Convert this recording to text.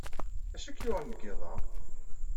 D acu ay k-yuɣen deg yiḍ-a?